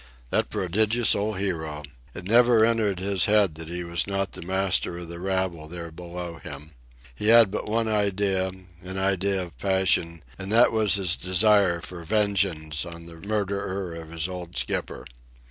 The prodigious old hero! It never entered his head that he was not the master of the rabble there below him. He had but one idea, an idea of passion, and that was his desire for vengeance on the murderer of his old skipper.